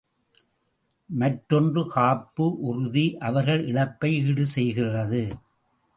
மற்றொன்று காப்பு உறுதி அவர்கள் இழப்பை ஈடு செய்கிறது.